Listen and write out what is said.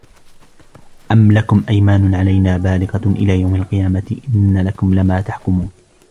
أم لكم أيمان علينا بالغة إلى يوم القيامة إن لكم لما تحكمون